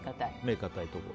硬いところ。